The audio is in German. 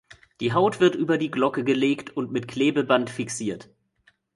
Die Haut wird über die Glocke gelegt und mit Klebeband fixiert.